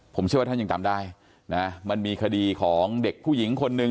ผมเชื่อว่าท่านยังจำได้นะมันมีคดีของเด็กผู้หญิงคนหนึ่ง